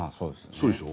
そうでしょ？